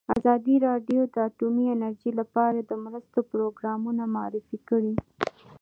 ازادي راډیو د اټومي انرژي لپاره د مرستو پروګرامونه معرفي کړي.